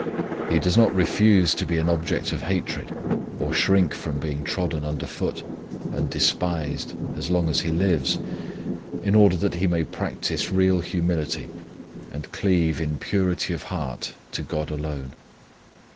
He does not refuse to be an object of hatred, or shrink from being trodden under foot and despised as long as he lives, in order that he may practise real humility and cleave in purity of heart to God alone.